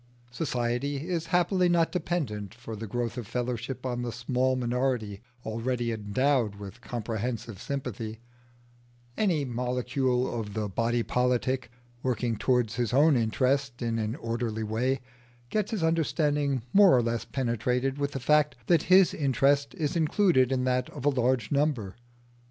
Society is happily not dependent for the growth of fellowship on the small minority already endowed with comprehensive sympathy: any molecule of the body politic working towards his own interest in an orderly way gets his understanding more or less penetrated with the fact that his interest is included in that of a large number.